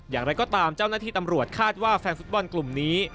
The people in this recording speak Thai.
อย่างไรก็ตามเจ้าหน้าที่ตำรวจคาดว่าแฟนฟุตบอลกลุ่มนี้